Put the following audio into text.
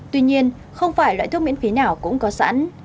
tuy nhiên không phải loại thuốc miễn phí nào cũng có sẵn